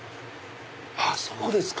あっそうですか。